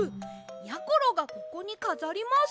やころがここにかざります。